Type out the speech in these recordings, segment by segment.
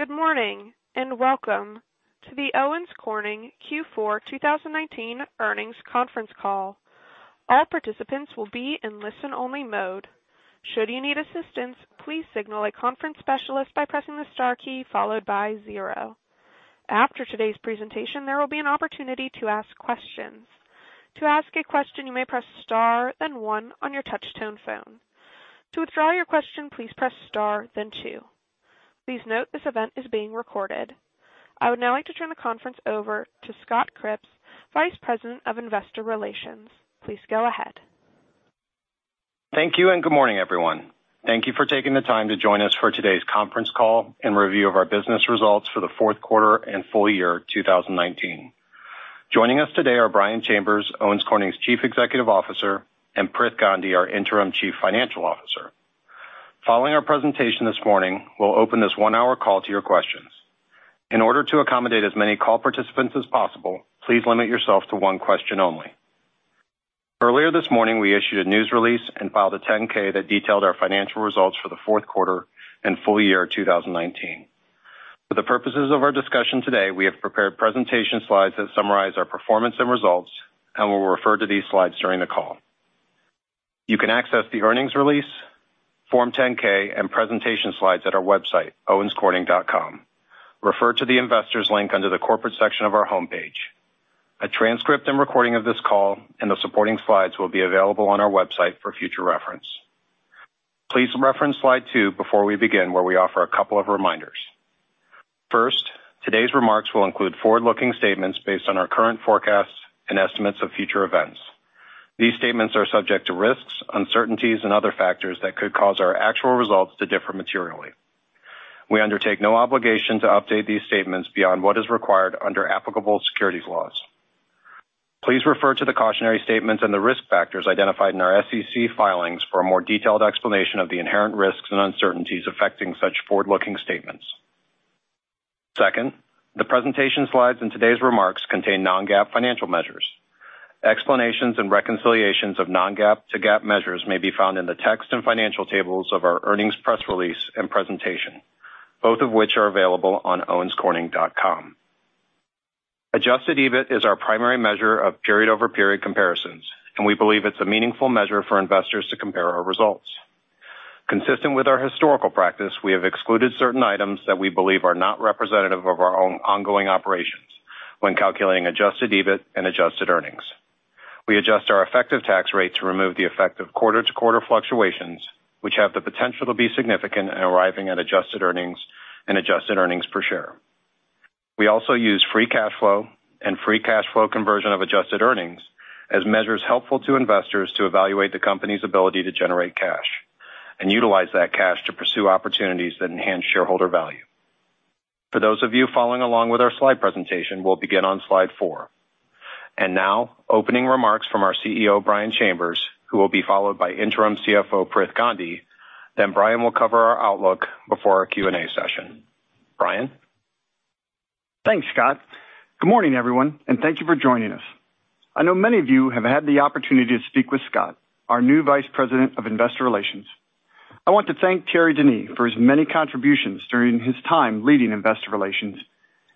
Good morning and welcome to the Owens Corning Q4 2019 Earnings Conference Call. All participants will be in listen-only mode. Should you need assistance, please signal a conference specialist by pressing the star key followed by zero. After today's presentation, there will be an opportunity to ask questions. To ask a question, you may press star, then one on your touch-tone phone. To withdraw your question, please press star, then two. Please note this event is being recorded. I would now like to turn the conference over to Scott Cripps, Vice President of Investor Relations. Please go ahead. Thank you and good morning, everyone. Thank you for taking the time to join us for today's conference call and review of our business results for the fourth quarter and full year 2019. Joining us today are Brian Chambers, Owens Corning's Chief Executive Officer, and Prith Gandhi, our Interim Chief Financial Officer. Following our presentation this morning, we'll open this one-hour call to your questions. In order to accommodate as many call participants as possible, please limit yourself to one question only. Earlier this morning, we issued a news release and filed a 10-K that detailed our financial results for the fourth quarter and full year 2019. For the purposes of our discussion today, we have prepared presentation slides that summarize our performance and results, and we'll refer to these slides during the call. You can access the earnings release, Form 10-K, and presentation slides at our website, owenscorning.com. Refer to the investors' link under the corporate section of our homepage. A transcript and recording of this call and the supporting slides will be available on our website for future reference. Please reference slide two before we begin, where we offer a couple of reminders. First, today's remarks will include forward-looking statements based on our current forecasts and estimates of future events. These statements are subject to risks, uncertainties, and other factors that could cause our actual results to differ materially. We undertake no obligation to update these statements beyond what is required under applicable securities laws. Please refer to the cautionary statements and the risk factors identified in our SEC filings for a more detailed explanation of the inherent risks and uncertainties affecting such forward-looking statements. Second, the presentation slides and today's remarks contain non-GAAP financial measures. Explanations and reconciliations of non-GAAP to GAAP measures may be found in the text and financial tables of our earnings press release and presentation, both of which are available on owenscorning.com. Adjusted EBIT is our primary measure of period-over-period comparisons, and we believe it's a meaningful measure for investors to compare our results. Consistent with our historical practice, we have excluded certain items that we believe are not representative of our own ongoing operations when calculating Adjusted EBIT and adjusted earnings. We adjust our effective tax rate to remove the effect of quarter-to-quarter fluctuations, which have the potential to be significant in arriving at adjusted earnings and adjusted earnings per share. We also use free cash flow and free cash flow conversion of adjusted earnings as measures helpful to investors to evaluate the company's ability to generate cash and utilize that cash to pursue opportunities that enhance shareholder value. For those of you following along with our slide presentation, we'll begin on slide four. And now, opening remarks from our CEO, Brian Chambers, who will be followed by Interim CFO, Prith Gandhi. Then Brian will cover our outlook before our Q&A session. Brian? Thanks, Scott. Good morning, everyone, and thank you for joining us. I know many of you have had the opportunity to speak with Scott, our new Vice President of Investor Relations. I want to thank Thierry Denis for his many contributions during his time leading investor relations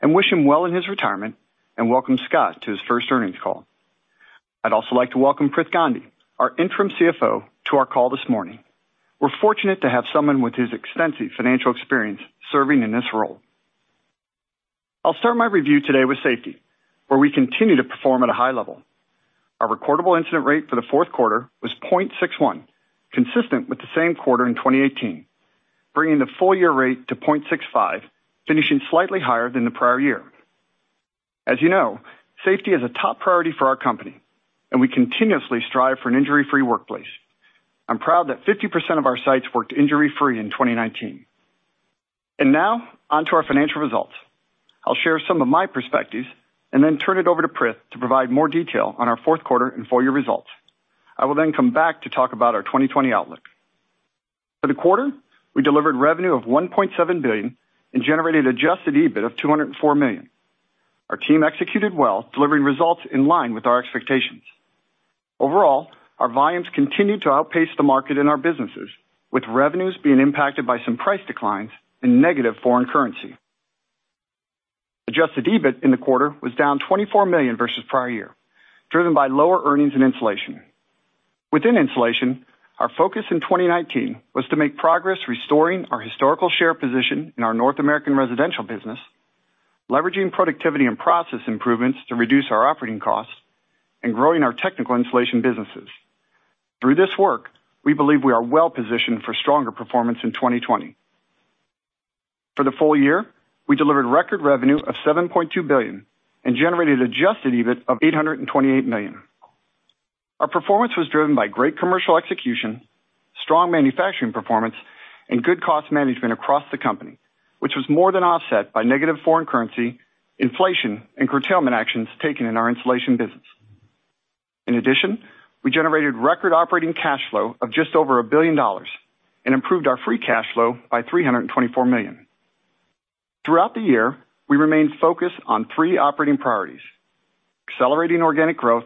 and wish him well in his retirement and welcome Scott to his first earnings call. I'd also like to welcome Prith Gandhi, our Interim CFO, to our call this morning. We're fortunate to have someone with his extensive financial experience serving in this role. I'll start my review today with safety, where we continue to perform at a high level. Our recordable incident rate for the fourth quarter was 0.61, consistent with the same quarter in 2018, bringing the full year rate to 0.65, finishing slightly higher than the prior year. As you know, safety is a top priority for our company, and we continuously strive for an injury-free workplace. I'm proud that 50% of our sites worked injury-free in 2019. Now, onto our financial results. I'll share some of my perspectives and then turn it over to Prith to provide more detail on our fourth quarter and full year results. I will then come back to talk about our 2020 outlook. For the quarter, we delivered revenue of $1.7 billion and generated Adjusted EBIT of $204 million. Our team executed well, delivering results in line with our expectations. Overall, our volumes continued to outpace the market in our businesses, with revenues being impacted by some price declines and negative foreign currency. Adjusted EBIT in the quarter was down $24 million versus prior year, driven by lower earnings and insulation. Within insulation, our focus in 2019 was to make progress restoring our historical share position in our North American residential business, leveraging productivity and process improvements to reduce our operating costs, and growing our technical insulation businesses. Through this work, we believe we are well positioned for stronger performance in 2020. For the full year, we delivered record revenue of $7.2 billion and generated Adjusted EBIT of $828 million. Our performance was driven by great commercial execution, strong manufacturing performance, and good cost management across the company, which was more than offset by negative foreign currency, inflation, and curtailment actions taken in our insulation business. In addition, we generated record operating cash flow of just over $1 billion and improved our free cash flow by $324 million. Throughout the year, we remained focused on three operating priorities: accelerating organic growth,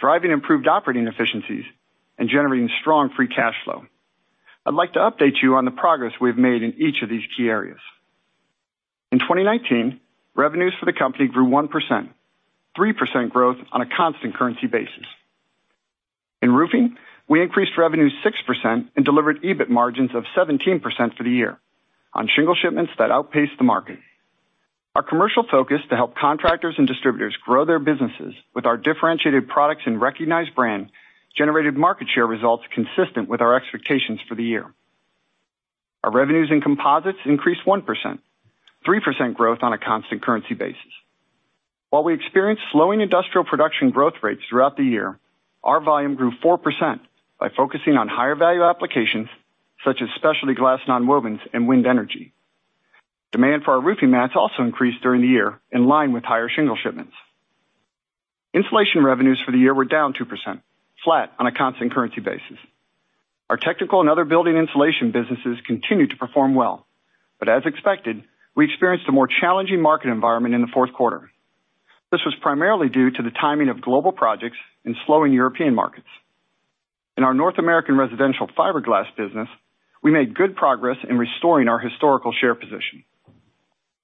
driving improved operating efficiencies, and generating strong free cash flow. I'd like to update you on the progress we've made in each of these key areas. In 2019, revenues for the company grew 1%, 3% growth on a constant currency basis. In roofing, we increased revenue 6% and delivered EBIT margins of 17% for the year on shingle shipments that outpaced the market. Our commercial focus to help contractors and distributors grow their businesses with our differentiated products and recognized brand generated market share results consistent with our expectations for the year. Our revenues in composites increased 1%, 3% growth on a constant currency basis. While we experienced slowing industrial production growth rates throughout the year, our volume grew 4% by focusing on higher value applications such as specialty glass nonwovens and wind energy. Demand for our roofing mats also increased during the year in line with higher shingle shipments. Insulation revenues for the year were down 2%, flat on a constant currency basis. Our technical and other building insulation businesses continued to perform well, but as expected, we experienced a more challenging market environment in the fourth quarter. This was primarily due to the timing of global projects and slowing European markets. In our North American residential fiberglass business, we made good progress in restoring our historical share position.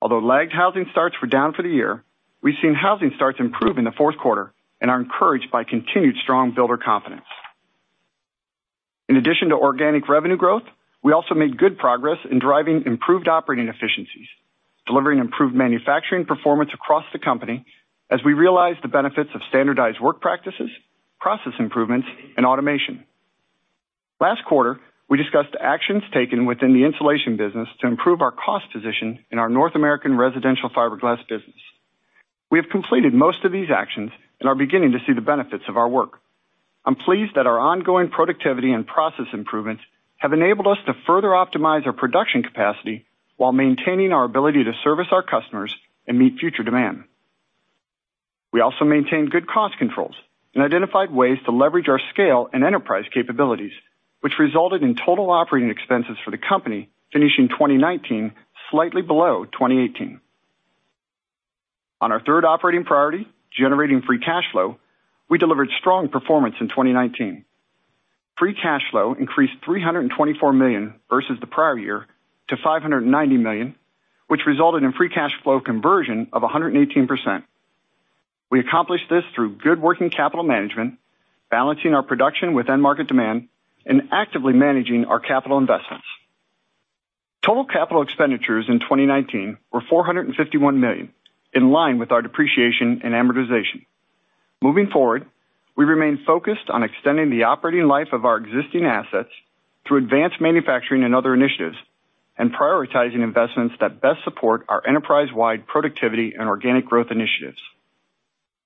Although lagged housing starts were down for the year, we've seen housing starts improve in the fourth quarter and are encouraged by continued strong builder confidence. In addition to organic revenue growth, we also made good progress in driving improved operating efficiencies, delivering improved manufacturing performance across the company as we realized the benefits of standardized work practices, process improvements, and automation. Last quarter, we discussed actions taken within the insulation business to improve our cost position in our North American residential fiberglass business. We have completed most of these actions and are beginning to see the benefits of our work. I'm pleased that our ongoing productivity and process improvements have enabled us to further optimize our production capacity while maintaining our ability to service our customers and meet future demand. We also maintained good cost controls and identified ways to leverage our scale and enterprise capabilities, which resulted in total operating expenses for the company finishing 2019 slightly below 2018. On our third operating priority, generating free cash flow, we delivered strong performance in 2019. Free cash flow increased $324 million versus the prior year to $590 million, which resulted in free cash flow conversion of 118%. We accomplished this through good working capital management, balancing our production within market demand, and actively managing our capital investments. Total capital expenditures in 2019 were $451 million, in line with our depreciation and amortization. Moving forward, we remain focused on extending the operating life of our existing assets through advanced manufacturing and other initiatives and prioritizing investments that best support our enterprise-wide productivity and organic growth initiatives.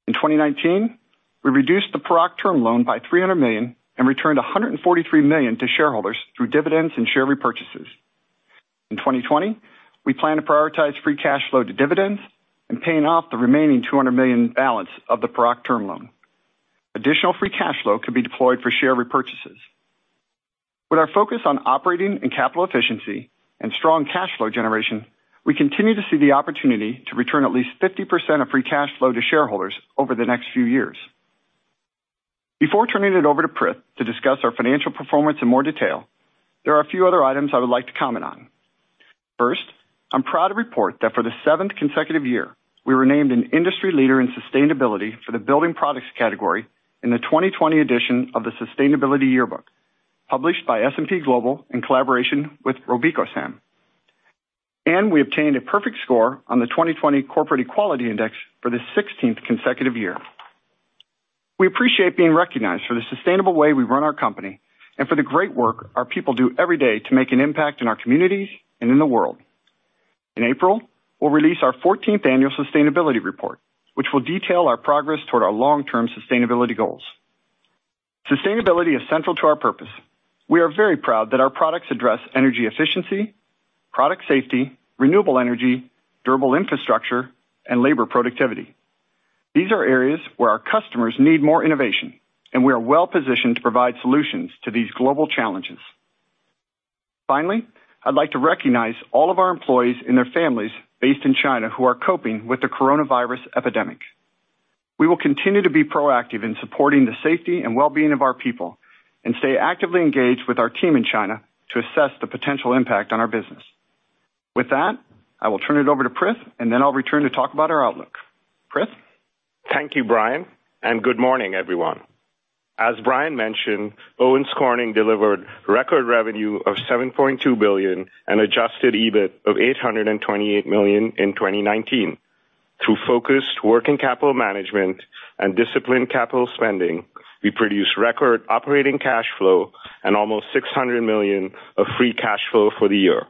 In 2019, we reduced the Paroc loan by $300 million and returned $143 million to shareholders through dividends and share repurchases. In 2020, we plan to prioritize free cash flow to dividends and paying off the remaining $200 million balance of the Paroc loan. Additional free cash flow could be deployed for share repurchases. With our focus on operating and capital efficiency and strong cash flow generation, we continue to see the opportunity to return at least 50% of free cash flow to shareholders over the next few years. Before turning it over to Prith to discuss our financial performance in more detail, there are a few other items I would like to comment on. First, I'm proud to report that for the seventh consecutive year, we were named an industry leader in sustainability for the building products category in the 2020 edition of the Sustainability Yearbook, published by S&P Global in collaboration with RobecoSAM, and we obtained a perfect score on the 2020 Corporate Equality Index for the 16th consecutive year. We appreciate being recognized for the sustainable way we run our company and for the great work our people do every day to make an impact in our communities and in the world. In April, we'll release our 14th annual sustainability report, which will detail our progress toward our long-term sustainability goals. Sustainability is central to our purpose. We are very proud that our products address energy efficiency, product safety, renewable energy, durable infrastructure, and labor productivity. These are areas where our customers need more innovation, and we are well positioned to provide solutions to these global challenges. Finally, I'd like to recognize all of our employees and their families based in China who are coping with the coronavirus epidemic. We will continue to be proactive in supporting the safety and well-being of our people and stay actively engaged with our team in China to assess the potential impact on our business. With that, I will turn it over to Prith, and then I'll return to talk about our outlook. Prith? Thank you, Brian, and good morning, everyone. As Brian mentioned, Owens Corning delivered record revenue of $7.2 billion and Adjusted EBIT of $828 million in 2019. Through focused working capital management and disciplined capital spending, we produced record operating cash flow and almost $600 million of free cash flow for the year.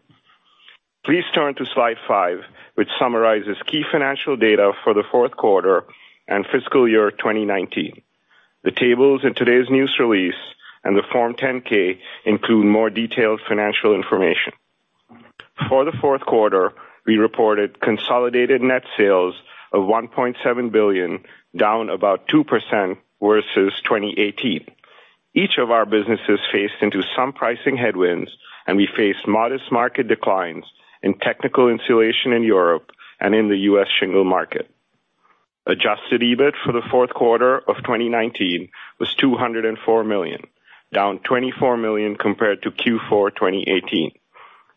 Please turn to slide five, which summarizes key financial data for the fourth quarter and fiscal year 2019. The tables in today's news release and the Form 10-K include more detailed financial information. For the fourth quarter, we reported consolidated net sales of $1.7 billion, down about 2% versus 2018. Each of our businesses faced into some pricing headwinds, and we faced modest market declines in technical insulation in Europe and in the U.S. shingle market. Adjusted EBIT for the fourth quarter of 2019 was $204 million, down $24 million compared to Q4 2018.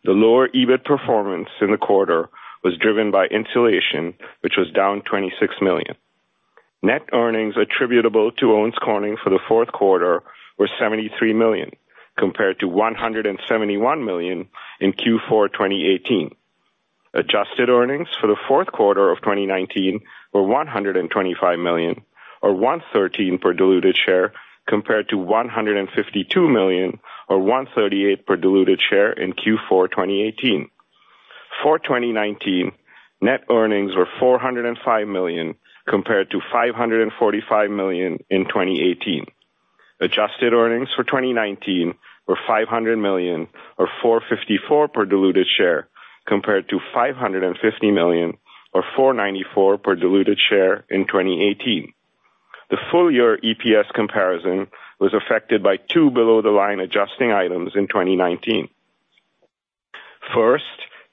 The lower EBIT performance in the quarter was driven by insulation, which was down $26 million. Net earnings attributable to Owens Corning for the fourth quarter were $73 million, compared to $171 million in Q4 2018. adjusted earnings for the fourth quarter of 2019 were $125 million, or $1.13 per diluted share, compared to $152 million, or $1.38 per diluted share in Q4 2018. For 2019, net earnings were $405 million, compared to $545 million in 2018. adjusted earnings for 2019 were $500 million, or $4.54 per diluted share, compared to $550 million, or $4.94 per diluted share in 2018. The full year EPS comparison was affected by two below-the-line adjusting items in 2019. First,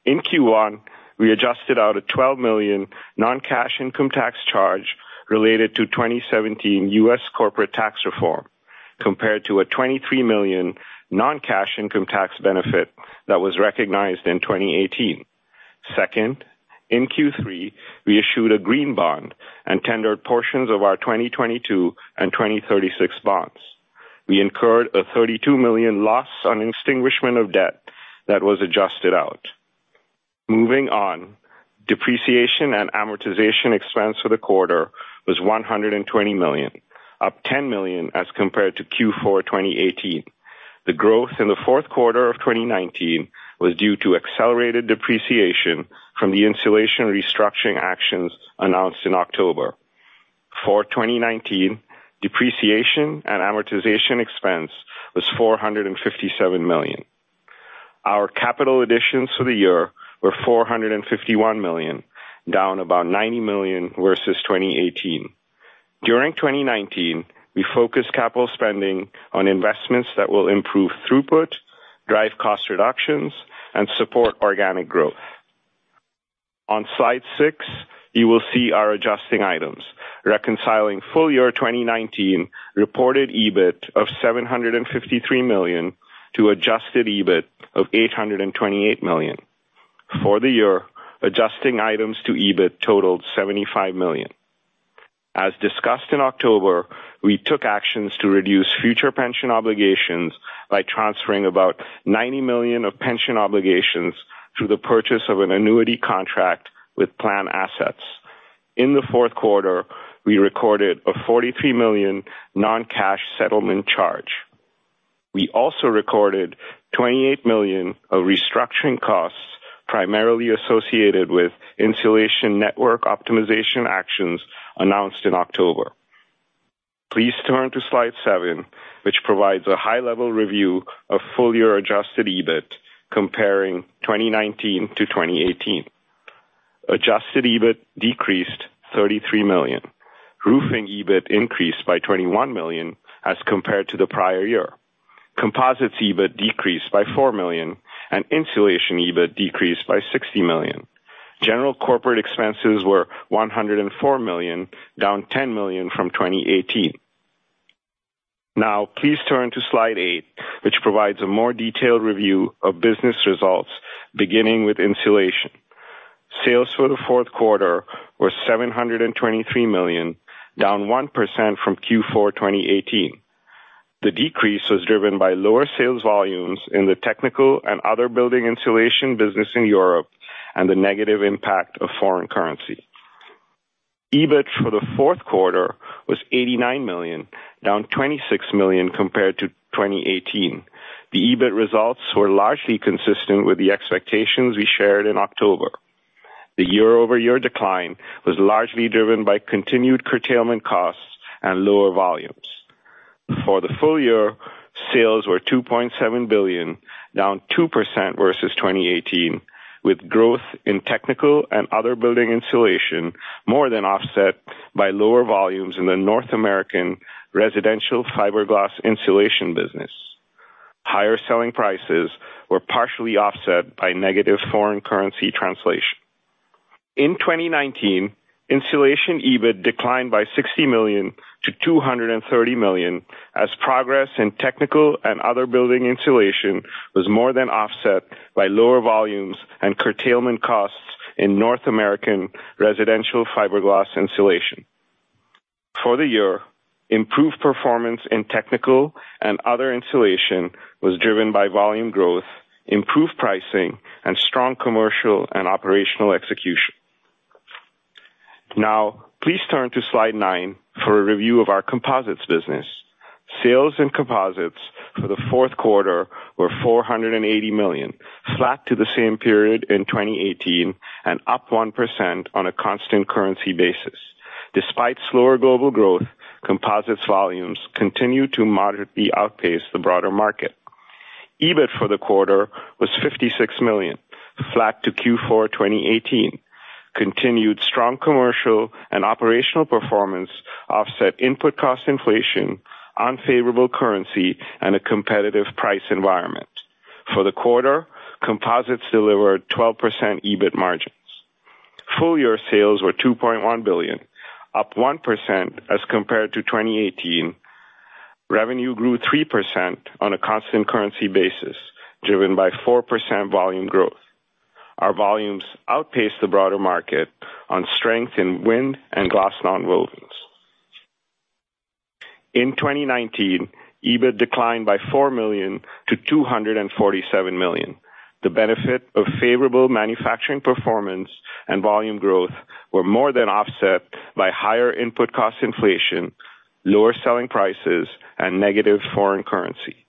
in Q1, we adjusted out a $12 million non-cash income tax charge related to 2017 U.S. corporate tax reform, compared to a $23 million non-cash income tax benefit that was recognized in 2018. Second, in Q3, we issued a green bond and tendered portions of our 2022 and 2036 bonds. We incurred a $32 million loss on extinguishment of debt that was adjusted out. Moving on, depreciation and amortization expense for the quarter was $120 million, up $10 million as compared to Q4 2018. The growth in the fourth quarter of 2019 was due to accelerated depreciation from the insulation restructuring actions announced in October. For 2019, depreciation and amortization expense was $457 million. Our capital additions for the year were $451 million, down about $90 million versus 2018. During 2019, we focused capital spending on investments that will improve throughput, drive cost reductions, and support organic growth. On slide six, you will see our adjusting items, reconciling full year 2019 reported EBIT of $753 million to Adjusted EBIT of $828 million. For the year, adjusting items to EBIT totaled $75 million. As discussed in October, we took actions to reduce future pension obligations by transferring about $90 million of pension obligations through the purchase of an annuity contract with plan assets. In the fourth quarter, we recorded a $43 million non-cash settlement charge. We also recorded $28 million of restructuring costs primarily associated with insulation network optimization actions announced in October. Please turn to slide seven, which provides a high-level review of full year Adjusted EBIT comparing 2019 to 2018. Adjusted EBIT decreased $33 million. Roofing EBIT increased by $21 million as compared to the prior year. Composites EBIT decreased by $4 million, and insulation EBIT decreased by $60 million. General corporate expenses were $104 million, down $10 million from 2018. Now, please turn to slide eight, which provides a more detailed review of business results, beginning with insulation. Sales for the fourth quarter were $723 million, down 1% from Q4 2018. The decrease was driven by lower sales volumes in the technical and other building insulation business in Europe and the negative impact of foreign currency. EBIT for the fourth quarter was $89 million, down $26 million compared to 2018. The EBIT results were largely consistent with the expectations we shared in October. The year-over-year decline was largely driven by continued curtailment costs and lower volumes. For the full year, sales were $2.7 billion, down 2% versus 2018, with growth in technical and other building insulation more than offset by lower volumes in the North American residential fiberglass insulation business. Higher selling prices were partially offset by negative foreign currency translation. In 2019, insulation EBIT declined by $60 million to $230 million as progress in technical and other building insulation was more than offset by lower volumes and curtailment costs in North American residential fiberglass insulation. For the year, improved performance in technical and other insulation was driven by volume growth, improved pricing, and strong commercial and operational execution. Now, please turn to slide nine for a review of our composites business. Sales in composites for the fourth quarter were $480 million, flat to the same period in 2018, and up 1% on a constant currency basis. Despite slower global growth, composites volumes continued to moderately outpace the broader market. EBIT for the quarter was $56 million, flat to Q4 2018. Continued strong commercial and operational performance offset input cost inflation, unfavorable currency, and a competitive price environment. For the quarter, composites delivered 12% EBIT margins. Full year sales were $2.1 billion, up 1% as compared to 2018. Revenue grew 3% on a constant currency basis, driven by 4% volume growth. Our volumes outpaced the broader market on strength in wind and glass nonwovens. In 2019, EBIT declined by $4 million to $247 million. The benefit of favorable manufacturing performance and volume growth were more than offset by higher input cost inflation, lower selling prices, and negative foreign currency.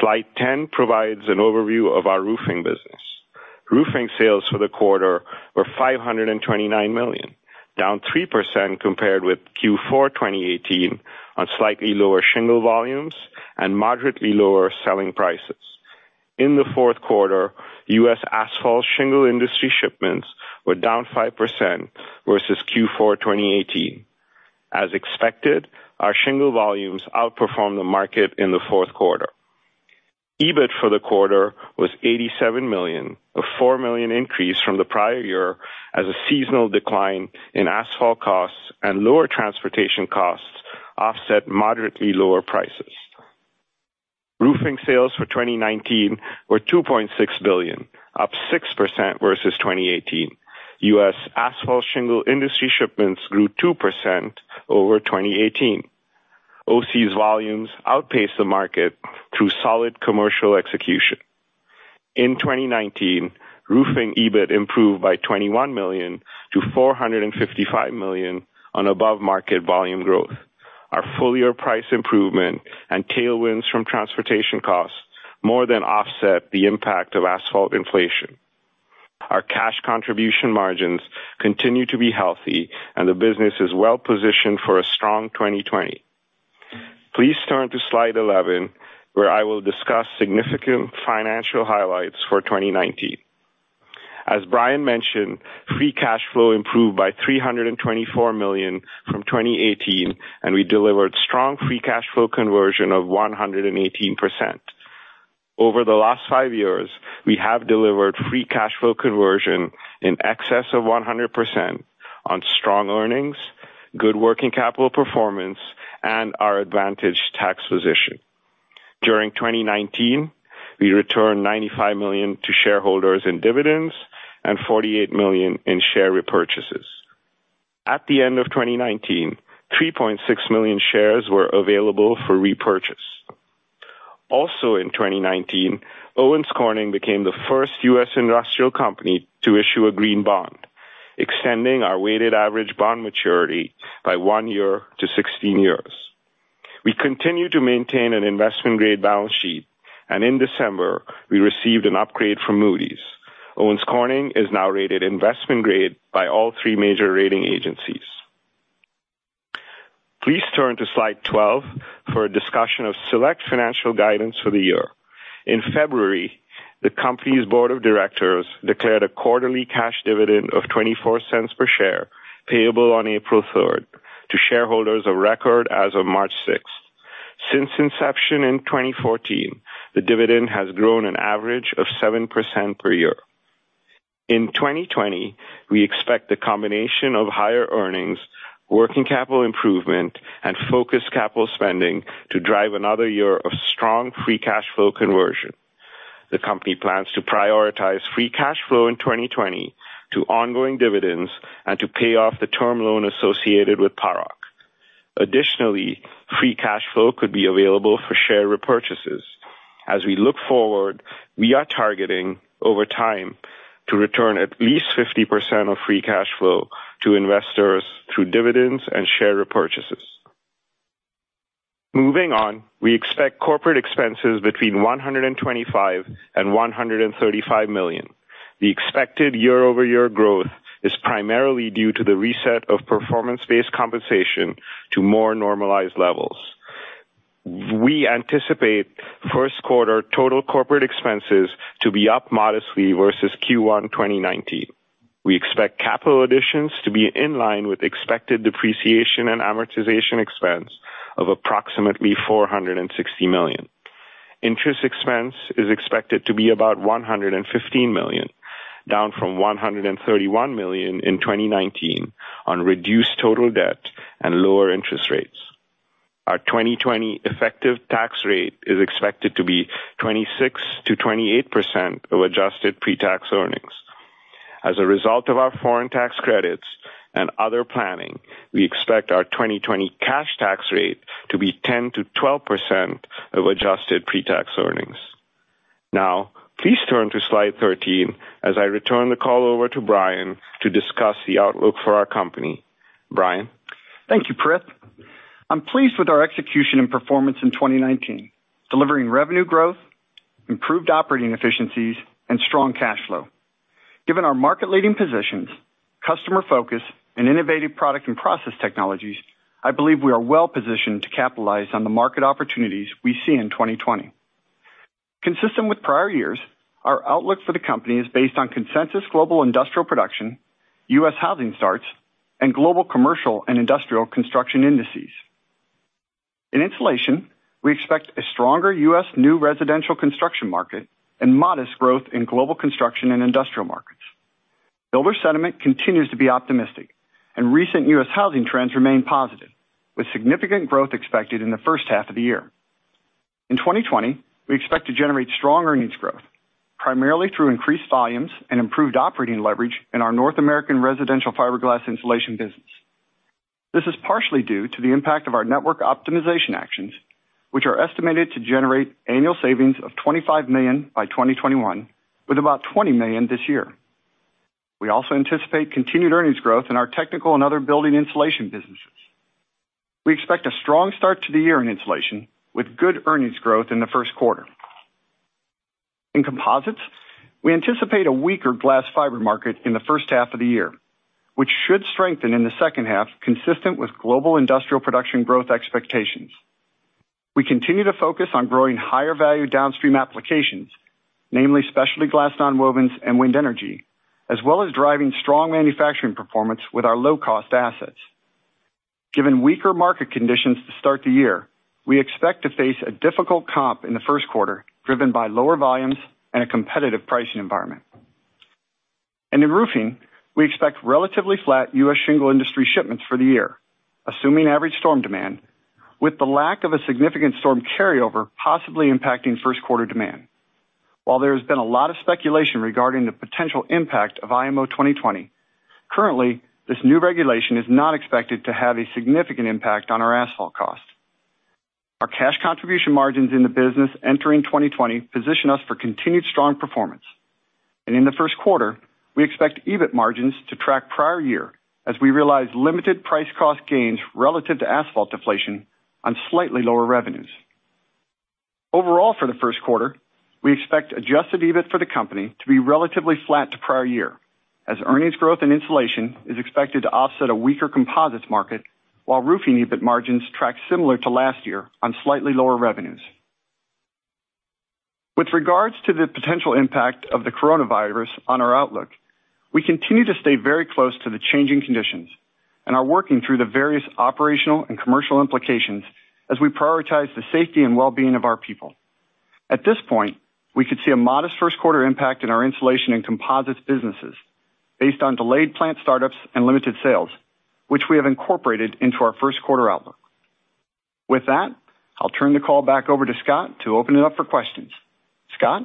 Slide 10 provides an overview of our roofing business. Roofing sales for the quarter were $529 million, down 3% compared with Q4 2018 on slightly lower shingle volumes and moderately lower selling prices. In the fourth quarter, U.S. asphalt shingle industry shipments were down 5% versus Q4 2018. As expected, our shingle volumes outperformed the market in the fourth quarter. EBIT for the quarter was $87 million, a $4 million increase from the prior year as a seasonal decline in asphalt costs and lower transportation costs offset moderately lower prices. Roofing sales for 2019 were $2.6 billion, up 6% versus 2018. U.S. asphalt shingle industry shipments grew 2% over 2018. OC's volumes outpaced the market through solid commercial execution. In 2019, roofing EBIT improved by $21 million to $455 million on above-market volume growth. Our full year price improvement and tailwinds from transportation costs more than offset the impact of asphalt inflation. Our cash contribution margins continue to be healthy, and the business is well positioned for a strong 2020. Please turn to slide 11, where I will discuss significant financial highlights for 2019. As Brian mentioned, free cash flow improved by $324 million from 2018, and we delivered strong free cash flow conversion of 118%. Over the last five years, we have delivered free cash flow conversion in excess of 100% on strong earnings, good working capital performance, and our advantaged tax position. During 2019, we returned $95 million to shareholders in dividends and $48 million in share repurchases. At the end of 2019, 3.6 million shares were available for repurchase. Also in 2019, Owens Corning became the first U.S. industrial company to issue a green bond, extending our weighted average bond maturity by one year to 16 years. We continue to maintain an investment-grade balance sheet, and in December, we received an upgrade from Moody's. Owens Corning is now rated investment-grade by all three major rating agencies. Please turn to slide 12 for a discussion of select financial guidance for the year. In February, the company's board of directors declared a quarterly cash dividend of $0.24 per share payable on April 3rd to shareholders of record as of March 6th. Since inception in 2014, the dividend has grown an average of 7% per year. In 2020, we expect the combination of higher earnings, working capital improvement, and focused capital spending to drive another year of strong free cash flow conversion. The company plans to prioritize free cash flow in 2020 to ongoing dividends and to pay off the term loan associated with Paroc. Additionally, free cash flow could be available for share repurchases. As we look forward, we are targeting over time to return at least 50% of free cash flow to investors through dividends and share repurchases. Moving on, we expect corporate expenses between $125 million and $135 million. The expected year-over-year growth is primarily due to the reset of performance-based compensation to more normalized levels. We anticipate first quarter total corporate expenses to be up modestly versus Q1 2019. We expect capital additions to be in line with expected depreciation and amortization expense of approximately $460 million. Interest expense is expected to be about $115 million, down from $131 million in 2019 on reduced total debt and lower interest rates. Our 2020 effective tax rate is expected to be 26%-28% of Adjusted pre-tax earnings. As a result of our foreign tax credits and other planning, we expect our 2020 cash tax rate to be 10%-12% of Adjusted pre-tax earnings. Now, please turn to slide 13 as I return the call over to Brian to discuss the outlook for our company. Brian. Thank you, Prith. I'm pleased with our execution and performance in 2019, delivering revenue growth, improved operating efficiencies, and strong cash flow. Given our market-leading positions, customer focus, and innovative product and process technologies, I believe we are well positioned to capitalize on the market opportunities we see in 2020. Consistent with prior years, our outlook for the company is based on consensus global industrial production, U.S. housing starts, and global commercial and industrial construction indices. In insulation, we expect a stronger U.S. new residential construction market and modest growth in global construction and industrial markets. Builder sentiment continues to be optimistic, and recent U.S. housing trends remain positive, with significant growth expected in the first half of the year. In 2020, we expect to generate strong earnings growth, primarily through increased volumes and improved operating leverage in our North American residential fiberglass insulation business. This is partially due to the impact of our network optimization actions, which are estimated to generate annual savings of $25 million by 2021, with about $20 million this year. We also anticipate continued earnings growth in our technical and other building insulation businesses. We expect a strong start to the year in insulation with good earnings growth in the first quarter. In composites, we anticipate a weaker glass fiber market in the first half of the year, which should strengthen in the second half, consistent with global industrial production growth expectations. We continue to focus on growing higher value downstream applications, namely specialty glass nonwovens and wind energy, as well as driving strong manufacturing performance with our low-cost assets. Given weaker market conditions to start the year, we expect to face a difficult comp in the first quarter, driven by lower volumes and a competitive pricing environment. In roofing, we expect relatively flat U.S. shingle industry shipments for the year, assuming average storm demand, with the lack of a significant storm carryover possibly impacting first quarter demand. While there has been a lot of speculation regarding the potential impact of IMO 2020, currently, this new regulation is not expected to have a significant impact on our asphalt cost. Our cash contribution margins in the business entering 2020 position us for continued strong performance, and in the first quarter, we expect EBIT margins to track prior year as we realize limited price-cost gains relative to asphalt deflation on slightly lower revenues. Overall, for the first quarter, we expect Adjusted EBIT for the company to be relatively flat to prior year, as earnings growth in insulation is expected to offset a weaker composites market, while roofing EBIT margins track similar to last year on slightly lower revenues. With regards to the potential impact of the coronavirus on our outlook, we continue to stay very close to the changing conditions and are working through the various operational and commercial implications as we prioritize the safety and well-being of our people. At this point, we could see a modest first quarter impact in our insulation and composites businesses based on delayed plant startups and limited sales, which we have incorporated into our first quarter outlook. With that, I'll turn the call back over to Scott to open it up for questions. Scott.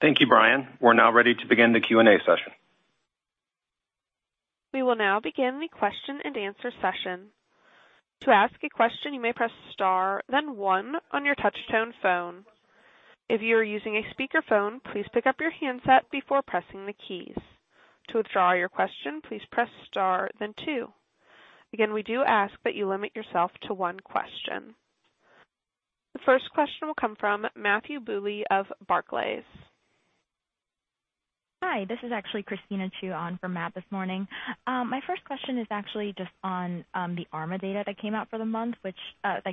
Thank you, Brian. We're now ready to begin the Q&A session. We will now begin the question and answer session. To ask a question, you may press star, then one on your touch-tone phone. If you are using a speakerphone, please pick up your handset before pressing the keys. To withdraw your question, please press star, then two. Again, we do ask that you limit yourself to one question. The first question will come from Matthew Bouley of Barclays. Hi, this is actually Christina Chiu on for Matt this morning. My first question is actually just on the ARMA data that came out for the month, which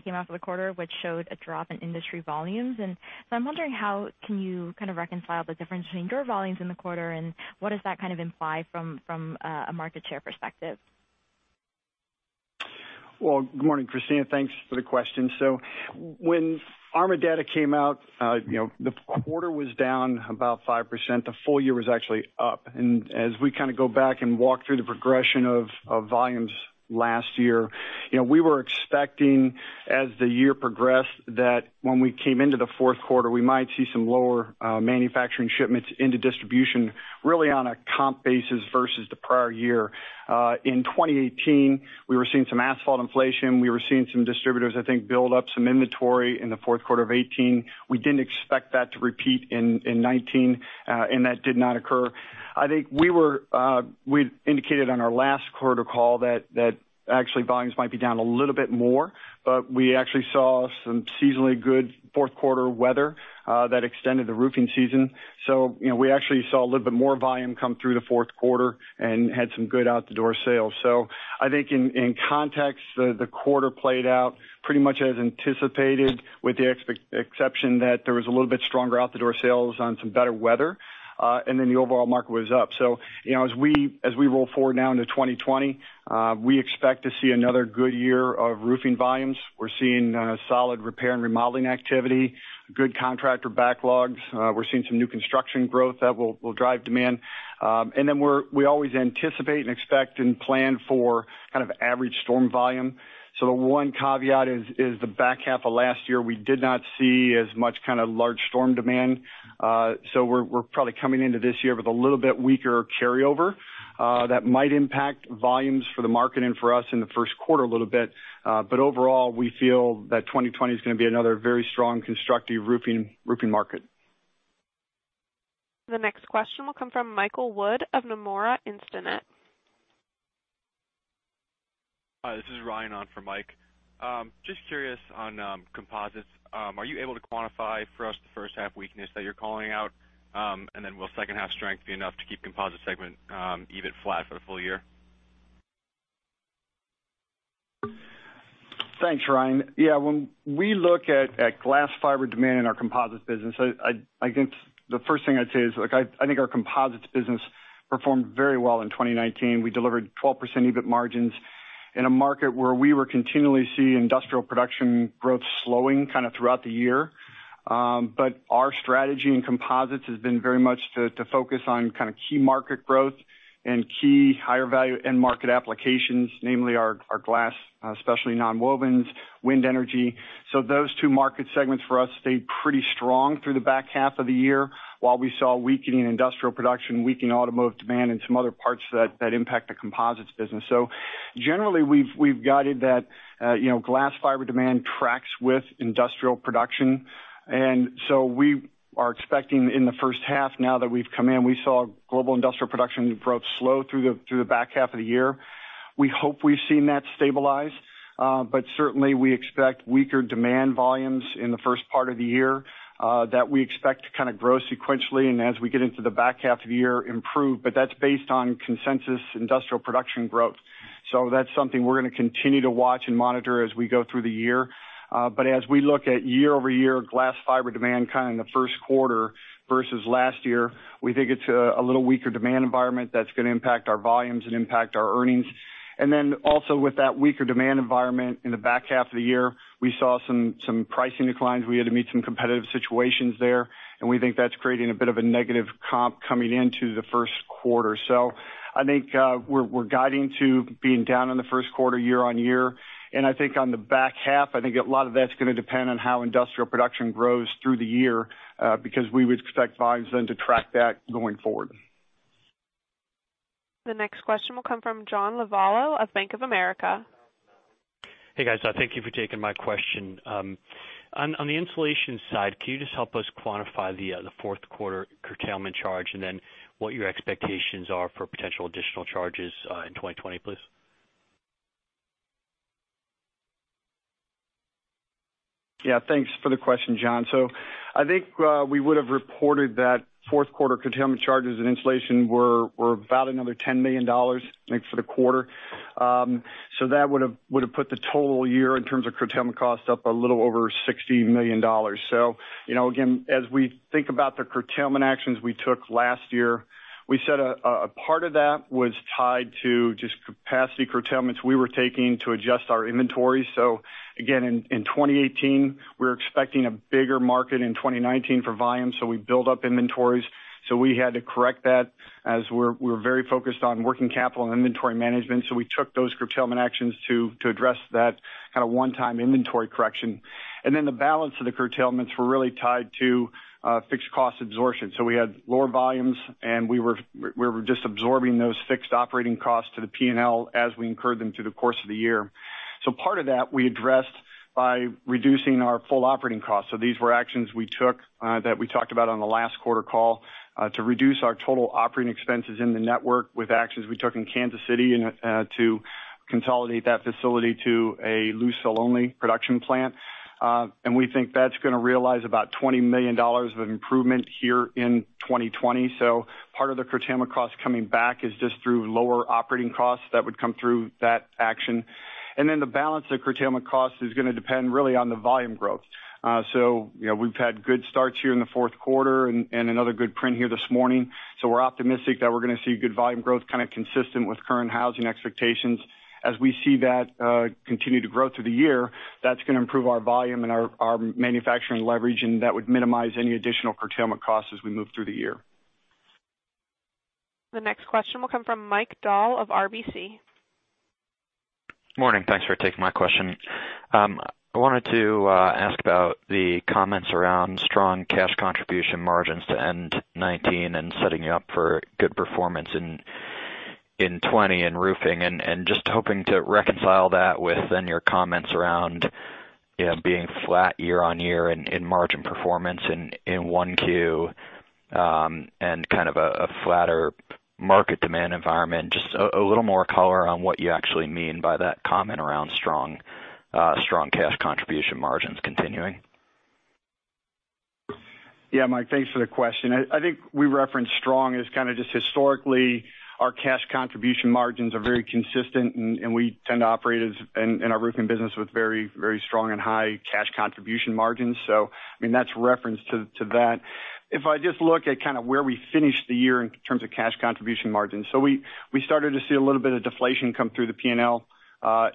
came out for the quarter, which showed a drop in industry volumes. And so I'm wondering how can you kind of reconcile the difference between your volumes in the quarter and what does that kind of imply from a market share perspective? Well, good morning, Christina. Thanks for the question. So when ARMA data came out, the quarter was down about 5%. The full year was actually up. As we kind of go back and walk through the progression of volumes last year, we were expecting as the year progressed that when we came into the fourth quarter, we might see some lower manufacturing shipments into distribution, really on a comp basis versus the prior year. In 2018, we were seeing some asphalt inflation. We were seeing some distributors, I think, build up some inventory in the fourth quarter of 2018. We didn't expect that to repeat in 2019, and that did not occur. I think we indicated on our last quarter call that actually volumes might be down a little bit more, but we actually saw some seasonally good fourth quarter weather that extended the roofing season. So we actually saw a little bit more volume come through the fourth quarter and had some good out-of-the-door sales. So I think in context, the quarter played out pretty much as anticipated, with the exception that there was a little bit stronger out-of-the-door sales on some better weather, and then the overall market was up. So as we roll forward now into 2020, we expect to see another good year of roofing volumes. We're seeing solid repair and remodeling activity, good contractor backlogs. We're seeing some new construction growth that will drive demand. And then we always anticipate and expect and plan for kind of average storm volume. So the one caveat is the back half of last year, we did not see as much kind of large storm demand. So we're probably coming into this year with a little bit weaker carryover that might impact volumes for the market and for us in the first quarter a little bit. But overall, we feel that 2020 is going to be another very strong constructive roofing market. The next question will come from Michael Wood of Nomura Instinet. Hi, this is Ryan on for Mike. Just curious on composites. Are you able to quantify for us the first half weakness that you're calling out? And then will second half strength be enough to keep composite segment even flat for the full year? Thanks, Ryan. Yeah, when we look at glass fiber demand in our composites business, I guess the first thing I'd say is I think our composites business performed very well in 2019. We delivered 12% EBIT margins in a market where we were continually seeing industrial production growth slowing kind of throughout the year. But our strategy in composites has been very much to focus on kind of key market growth and key higher value end market applications, namely our glass, especially nonwovens, wind energy. So those two market segments for us stayed pretty strong through the back half of the year, while we saw weakening industrial production, weakening automotive demand, and some other parts that impact the composites business. So generally, we've guided that glass fiber demand tracks with industrial production. And so we are expecting in the first half now that we've come in, we saw global industrial production growth slow through the back half of the year. We hope we've seen that stabilize, but certainly we expect weaker demand volumes in the first part of the year that we expect to kind of grow sequentially and as we get into the back half of the year improve. But that's based on consensus industrial production growth. So that's something we're going to continue to watch and monitor as we go through the year. But as we look at year-over-year glass fiber demand kind of in the first quarter versus last year, we think it's a little weaker demand environment that's going to impact our volumes and impact our earnings. And then also with that weaker demand environment in the back half of the year, we saw some pricing declines. We had to meet some competitive situations there, and we think that's creating a bit of a negative comp coming into the first quarter. So I think we're guiding to being down in the first quarter year on year. I think on the back half, I think a lot of that's going to depend on how industrial production grows through the year because we would expect volumes then to track that going forward. The next question will come from John Lovallo of Bank of America. Hey, guys. Thank you for taking my question. On the insulation side, can you just help us quantify the fourth quarter curtailment charge and then what your expectations are for potential additional charges in 2020, please? Yeah, thanks for the question, John. So I think we would have reported that fourth quarter curtailment charges in insulation were about another $10 million, I think, for the quarter. So that would have put the total year in terms of curtailment cost up a little over $60 million. So again, as we think about the curtailment actions we took last year, we said a part of that was tied to just capacity curtailments we were taking to adjust our inventory. So again, in 2018, we were expecting a bigger market in 2019 for volume, so we built up inventories. So we had to correct that as we were very focused on working capital and inventory management. So we took those curtailment actions to address that kind of one-time inventory correction. And then the balance of the curtailments were really tied to fixed cost absorption. So we had lower volumes, and we were just absorbing those fixed operating costs to the P&L as we incurred them through the course of the year. So part of that we addressed by reducing our full operating costs. These were actions we took that we talked about on the last quarter call to reduce our total operating expenses in the network, with actions we took in Kansas City to consolidate that facility to a loosefill-only production plant. And we think that's going to realize about $20 million of improvement here in 2020. So part of the curtailment cost coming back is just through lower operating costs that would come through that action. And then the balance of curtailment cost is going to depend really on the volume growth. So we've had good starts here in the fourth quarter and another good print here this morning. So we're optimistic that we're going to see good volume growth kind of consistent with current housing expectations. As we see that continue to grow through the year, that's going to improve our volume and our manufacturing leverage, and that would minimize any additional curtailment costs as we move through the year. The next question will come from Mike Dahl of RBC. Morning. Thanks for taking my question. I wanted to ask about the comments around strong cash contribution margins to end 2019 and setting you up for good performance in 2020 in roofing. And just hoping to reconcile that with then your comments around being flat year on year in margin performance in Q1 and kind of a flatter market demand environment. Just a little more color on what you actually mean by that comment around strong cash contribution margins continuing. Yeah, Mike, thanks for the question. I think we referenced strong as kind of just historically our cash contribution margins are very consistent, and we tend to operate in our roofing business with very, very strong and high cash contribution margins. So I mean, that's a reference to that. If I just look at kind of where we finished the year in terms of cash contribution margins, we started to see a little bit of deflation come through the P&L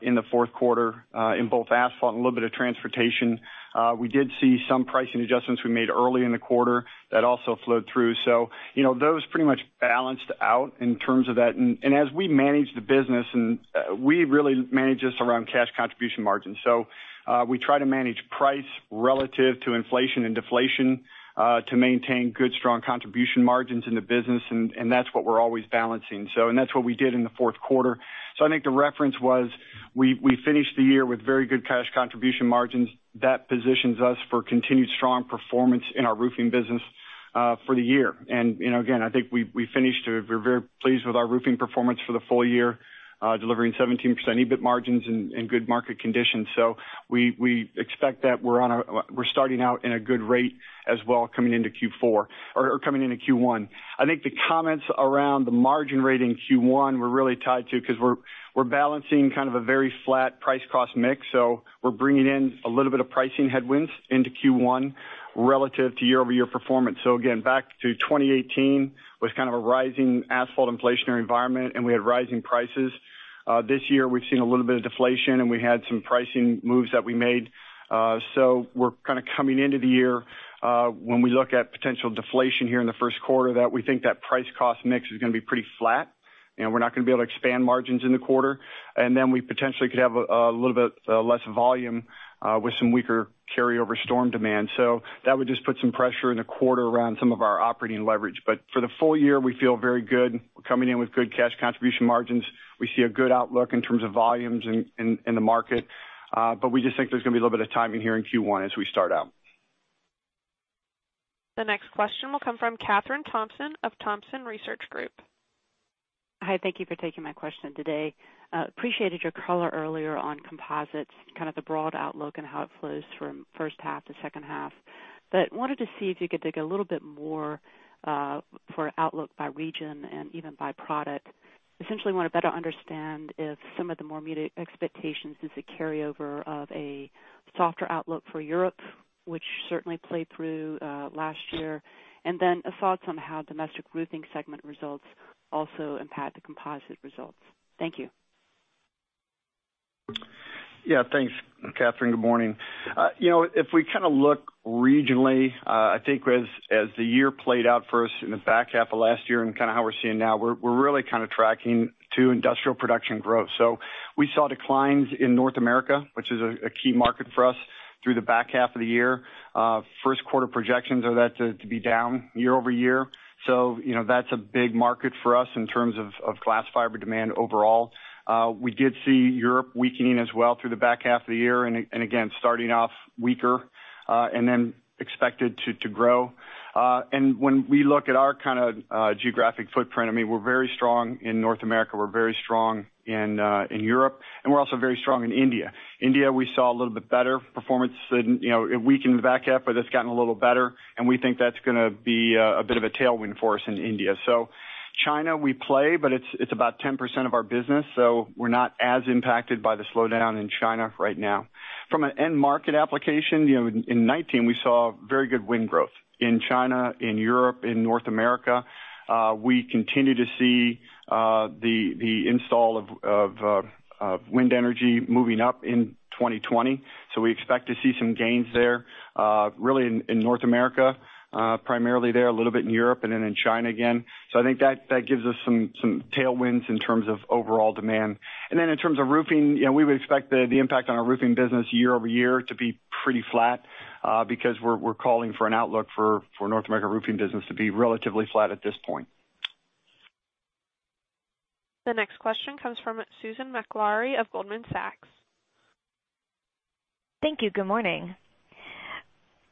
in the fourth quarter in both asphalt and a little bit of transportation. We did see some pricing adjustments we made early in the quarter that also flowed through. Those pretty much balanced out in terms of that, and as we manage the business, we really manage this around cash contribution margins. So we try to manage price relative to inflation and deflation to maintain good strong contribution margins in the business, and that's what we're always balancing. And that's what we did in the fourth quarter. So I think the reference was we finished the year with very good cash contribution margins. That positions us for continued strong performance in our roofing business for the year. And again, I think we finished to we're very pleased with our roofing performance for the full year, delivering 17% EBIT margins in good market conditions. So we expect that we're starting out in a good rate as well coming into Q4 or coming into Q1. I think the comments around the margin rate in Q1 were really tied to because we're balancing kind of a very flat price-cost mix. So we're bringing in a little bit of pricing headwinds into Q1 relative to year-over-year performance. So again, back to 2018 was kind of a rising asphalt inflationary environment, and we had rising prices. This year, we've seen a little bit of deflation, and we had some pricing moves that we made. So we're kind of coming into the year when we look at potential deflation here in the first quarter that we think that price-cost mix is going to be pretty flat, and we're not going to be able to expand margins in the quarter. And then we potentially could have a little bit less volume with some weaker carryover storm demand. So that would just put some pressure in the quarter around some of our operating leverage. But for the full year, we feel very good. We're coming in with good cash contribution margins. We see a good outlook in terms of volumes in the market. But we just think there's going to be a little bit of timing here in Q1 as we start out. The next question will come from Kathryn Thompson of Thompson Research Group. Hi, thank you for taking my question today. Appreciated your color earlier on composites, kind of the broad outlook and how it flows from first half to second half. But wanted to see if you could dig a little bit more for outlook by region and even by product. Essentially want to better understand if some of the more muted expectations is a carryover of a softer outlook for Europe, which certainly played through last year. And then a thought on how domestic roofing segment results also impact the composite results. Thank you. Yeah, thanks, Kathryn. Good morning. If we kind of look regionally, I think as the year played out for us in the back half of last year and kind of how we're seeing now, we're really kind of tracking to industrial production growth, so we saw declines in North America, which is a key market for us through the back half of the year. First quarter projections are that to be down year over year, so that's a big market for us in terms of glass fiber demand overall. We did see Europe weakening as well through the back half of the year and again, starting off weaker and then expected to grow, and when we look at our kind of geographic footprint, I mean, we're very strong in North America. We're very strong in Europe, and we're also very strong in India. India, we saw a little bit better performance. It weakened the back half, but it's gotten a little better, and we think that's going to be a bit of a tailwind for us in India. So China, we play, but it's about 10% of our business. So we're not as impacted by the slowdown in China right now. From an end market application, in 2019, we saw very good wind growth in China, in Europe, in North America. We continue to see the install of wind energy moving up in 2020. So we expect to see some gains there, really in North America, primarily there, a little bit in Europe, and then in China again. So I think that gives us some tailwinds in terms of overall demand. And then in terms of roofing, we would expect the impact on our roofing business year over year to be pretty flat because we're calling for an outlook for North America roofing business to be relatively flat at this point. The next question comes from Susan Maklari of Goldman Sachs. Thank you. Good morning.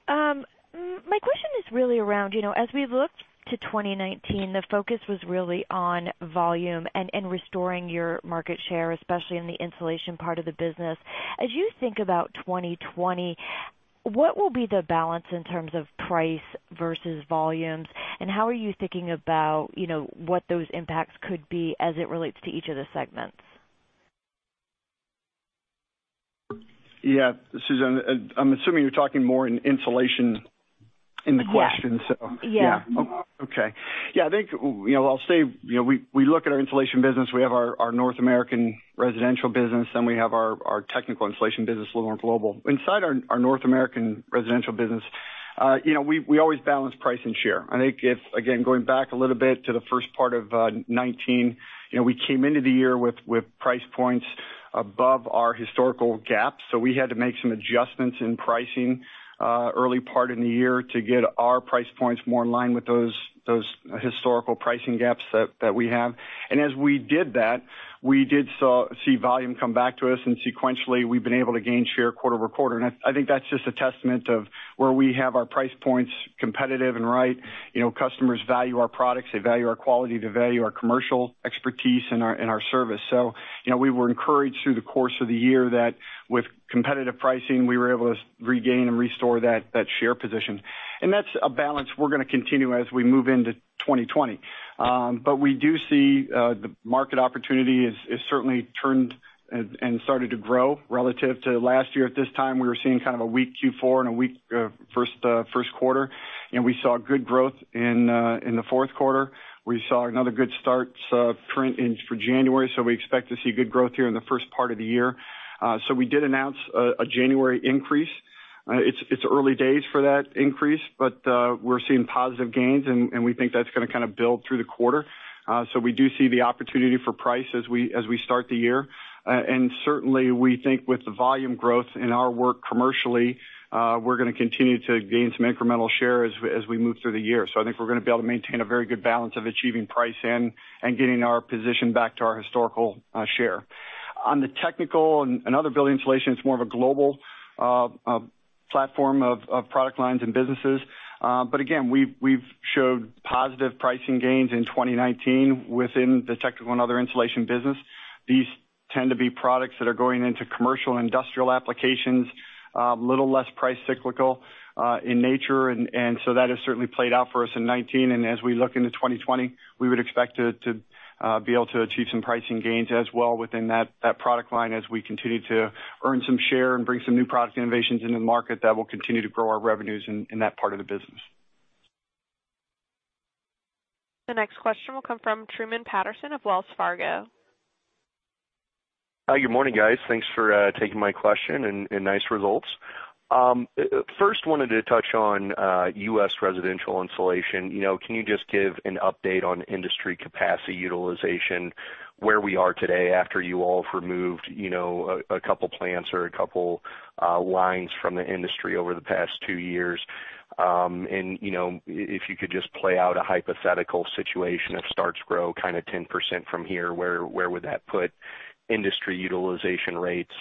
My question is really around, as we look to 2019, the focus was really on volume and restoring your market share, especially in the insulation part of the business. As you think about 2020, what will be the balance in terms of price versus volumes, and how are you thinking about what those impacts could be as it relates to each of the segments? Yeah, Susan, I'm assuming you're talking more in insulation in the question, so. Yeah. Yeah. Okay. Yeah, I think I'll say we look at our insulation business. We have our North American residential business, and we have our technical insulation business a little more global. Inside our North American residential business, we always balance price and share. I think, again, going back a little bit to the first part of 2019, we came into the year with price points above our historical gap. So we had to make some adjustments in pricing early part in the year to get our price points more in line with those historical pricing gaps that we have. And as we did that, we did see volume come back to us, and sequentially, we've been able to gain share quarter over quarter. And I think that's just a testament of where we have our price points competitive and right. Customers value our products. They value our quality. They value our commercial expertise and our service. So we were encouraged through the course of the year that with competitive pricing, we were able to regain and restore that share position. And that's a balance we're going to continue as we move into 2020. But we do see the market opportunity has certainly turned and started to grow relative to last year. At this time, we were seeing kind of a weak Q4 and a weak first quarter. And we saw good growth in the fourth quarter. We saw another good start print for January. So we expect to see good growth here in the first part of the year. So we did announce a January increase. It's early days for that increase, but we're seeing positive gains, and we think that's going to kind of build through the quarter. So we do see the opportunity for price as we start the year. Certainly, we think with the volume growth in our work commercially, we're going to continue to gain some incremental share as we move through the year. So I think we're going to be able to maintain a very good balance of achieving price and getting our position back to our historical share. On the technical and other building insulation, it's more of a global platform of product lines and businesses. But again, we've showed positive pricing gains in 2019 within the technical and other insulation business. These tend to be products that are going into commercial and industrial applications, a little less price cyclical in nature. And so that has certainly played out for us in 2019. And as we look into 2020, we would expect to be able to achieve some pricing gains as well within that product line as we continue to earn some share and bring some new product innovations into the market that will continue to grow our revenues in that part of the business. The next question will come from Truman Patterson of Wells Fargo. Hi, good morning, guys. Thanks for taking my question and nice results. First, wanted to touch on U.S. residential insulation. Can you just give an update on industry capacity utilization, where we are today after you all have removed a couple of plants or a couple of lines from the industry over the past two years? And if you could just play out a hypothetical situation of starts grow kind of 10% from here, where would that put industry utilization rates?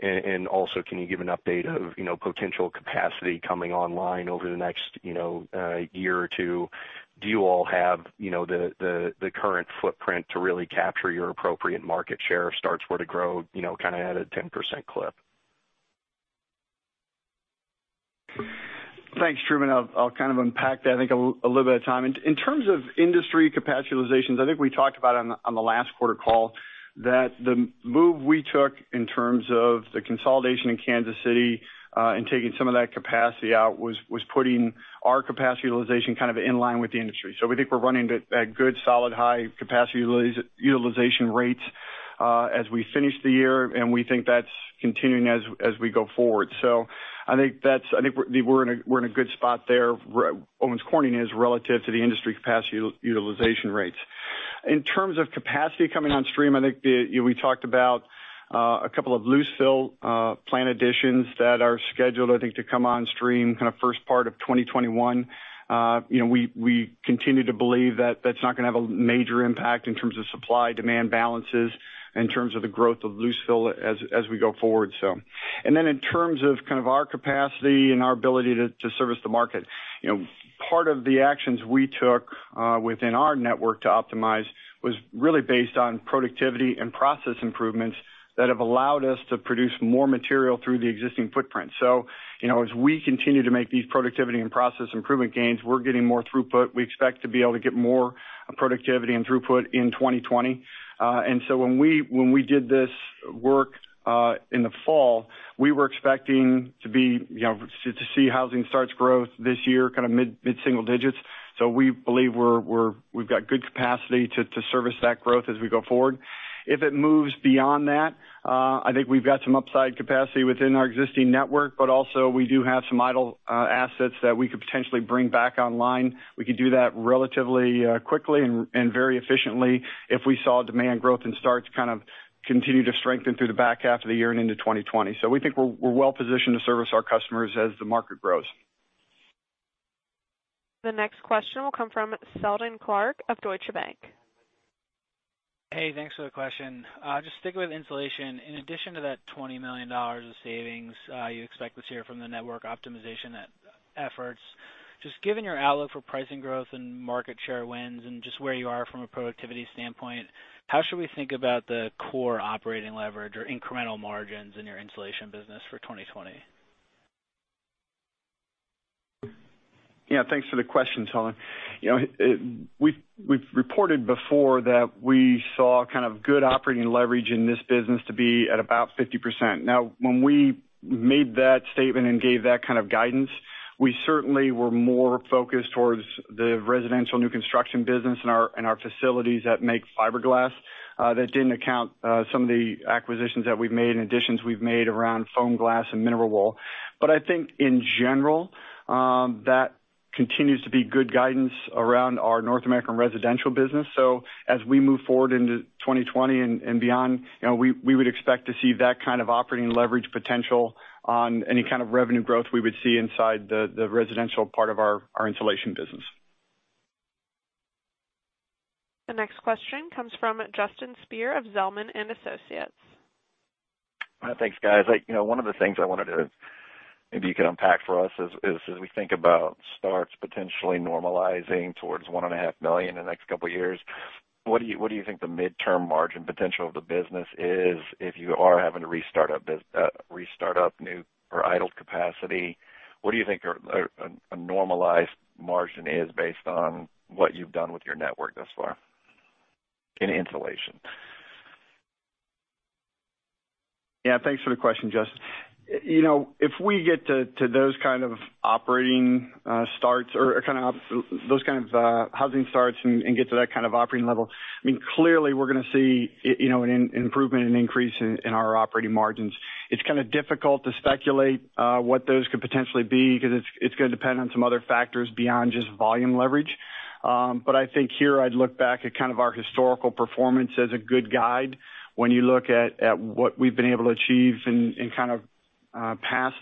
And also, can you give an update of potential capacity coming online over the next year or two? Do you all have the current footprint to really capture your appropriate market share, starts where to grow kind of at a 10% clip? Thanks, Truman. I'll kind of unpack that, I think, a little bit of time. In terms of industry capacity utilizations, I think we talked about on the last quarter call that the move we took in terms of the consolidation in Kansas City and taking some of that capacity out was putting our capacity utilization kind of in line with the industry. So we think we're running at good, solid, high capacity utilization rates as we finish the year, and we think that's continuing as we go forward. So I think we're in a good spot there. Owens Corning is relative to the industry capacity utilization rates. In terms of capacity coming on stream, I think we talked about a couple of loose-fill plant additions that are scheduled, I think, to come on stream kind of first part of 2021. We continue to believe that that's not going to have a major impact in terms of supply-demand balances and in terms of the growth of loose-fill as we go forward, so and then in terms of kind of our capacity and our ability to service the market, part of the actions we took within our network to optimize was really based on productivity and process improvements that have allowed us to produce more material through the existing footprint, so as we continue to make these productivity and process improvement gains, we're getting more throughput. We expect to be able to get more productivity and throughput in 2020. And so when we did this work in the fall, we were expecting to see housing starts growth this year, kind of mid-single digits. So we believe we've got good capacity to service that growth as we go forward. If it moves beyond that, I think we've got some upside capacity within our existing network, but also we do have some idle assets that we could potentially bring back online. We could do that relatively quickly and very efficiently if we saw demand growth and starts kind of continue to strengthen through the back half of the year and into 2020. So we think we're well positioned to service our customers as the market grows. The next question will come from Seldon Clarke of Deutsche Bank. Hey, thanks for the question. Just stick with insulation. In addition to that $20 million of savings you expect this year from the network optimization efforts, just given your outlook for pricing growth and market share wins and just where you are from a productivity standpoint, how should we think about the core operating leverage or incremental margins in your insulation business for 2020? Yeah, thanks for the question, Seldon. We've reported before that we saw kind of good operating leverage in this business to be at about 50%. Now, when we made that statement and gave that kind of guidance, we certainly were more focused towards the residential new construction business and our facilities that make fiberglass that didn't account for some of the acquisitions that we've made and additions we've made around foam glass and mineral wool. But I think in general, that continues to be good guidance around our North American residential business. So as we move forward into 2020 and beyond, we would expect to see that kind of operating leverage potential on any kind of revenue growth we would see inside the residential part of our insulation business. The next question comes from Justin Speer of Zelman & Associates. Thanks, guys. One of the things I wanted to maybe you could unpack for us is as we think about starts potentially normalizing towards one and a half million in the next couple of years, what do you think the midterm margin potential of the business is if you are having to restart up new or idle capacity? What do you think a normalized margin is based on what you've done with your network thus far in insulation? Yeah, thanks for the question, Justin. If we get to those kind of operating starts or kind of those kind of housing starts and get to that kind of operating level, I mean, clearly, we're going to see an improvement and increase in our operating margins. It's kind of difficult to speculate what those could potentially be because it's going to depend on some other factors beyond just volume leverage. But I think here I'd look back at kind of our historical performance as a good guide when you look at what we've been able to achieve in kind of past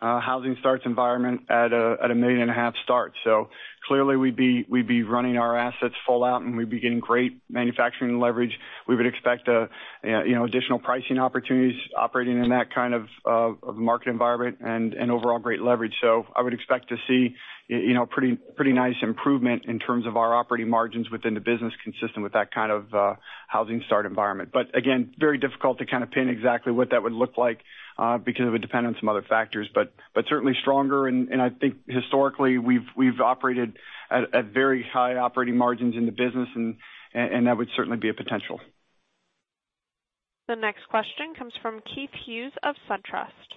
housing starts environment at a million and a half starts. So clearly, we'd be running our assets full out, and we'd be getting great manufacturing leverage. We would expect additional pricing opportunities operating in that kind of market environment and overall great leverage. So I would expect to see a pretty nice improvement in terms of our operating margins within the business consistent with that kind of housing start environment. But again, very difficult to kind of pin exactly what that would look like because it would depend on some other factors. But certainly stronger. And I think historically, we've operated at very high operating margins in the business, and that would certainly be a potential. The next question comes from Keith Hughes of SunTrust.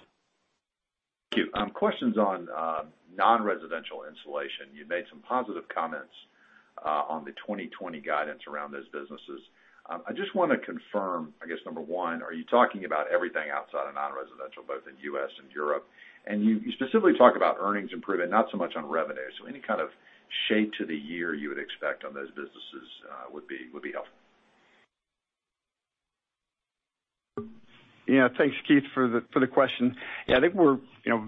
Thank you. Questions on non-residential insulation. You made some positive comments on the 2020 guidance around those businesses. I just want to confirm, I guess, number one, are you talking about everything outside of non-residential, both in the U.S. and Europe? And you specifically talk about earnings improvement, not so much on revenue. So any kind of shade to the year you would expect on those businesses would be helpful. Yeah, thanks, Keith, for the question. Yeah, I think we're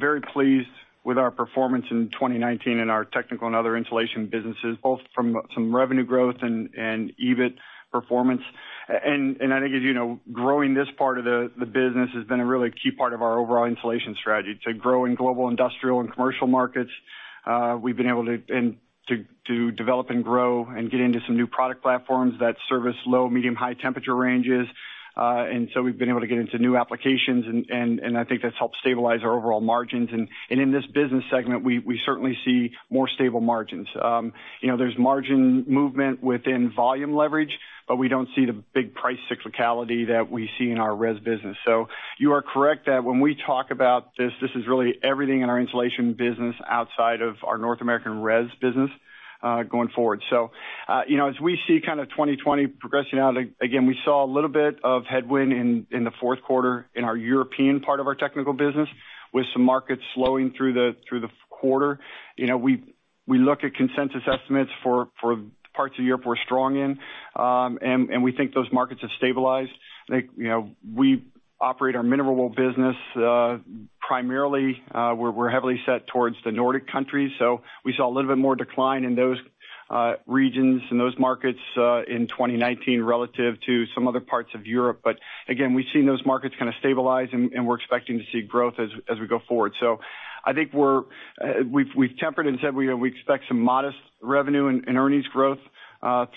very pleased with our performance in 2019 in our technical and other insulation businesses, both from some revenue growth and EBIT performance. And I think growing this part of the business has been a really key part of our overall insulation strategy. So growing global industrial and commercial markets, we've been able to develop and grow and get into some new product platforms that service low, medium, high temperature ranges. And so we've been able to get into new applications, and I think that's helped stabilize our overall margins. And in this business segment, we certainly see more stable margins. There's margin movement within volume leverage, but we don't see the big price cyclicality that we see in our res business. So you are correct that when we talk about this, this is really everything in our insulation business outside of our North American res business going forward. So as we see kind of 2020 progressing out, again, we saw a little bit of headwind in the fourth quarter in our European part of our technical business with some markets slowing through the quarter. We look at consensus estimates for parts of the year if we're strong in, and we think those markets have stabilized. We operate our mineral wool business primarily. We're heavily set towards the Nordic countries. So we saw a little bit more decline in those regions and those markets in 2019 relative to some other parts of Europe. But again, we've seen those markets kind of stabilize, and we're expecting to see growth as we go forward. So I think we've tempered and said we expect some modest revenue and earnings growth